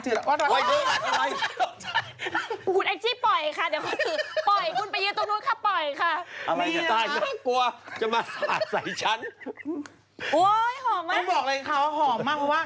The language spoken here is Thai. อุ๊ยแอมจี้ปล่อยค่ะเดี๋ยวก็ถือ